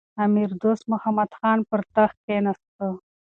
امیر دوست محمد خان پر تخت کښېناست.